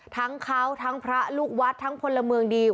ทั้งเขาทั้งพระลูกวัดทั้งพลเมืองดี